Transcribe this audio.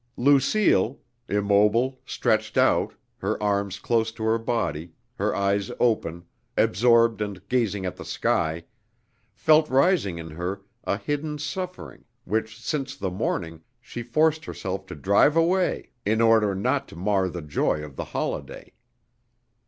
Lucile, immobile, stretched out, her arms close to her body, her eyes open, absorbed and gazing at the sky, felt rising in her a hidden suffering which since the morning she forced herself to drive away in order not to mar the joy of the holiday.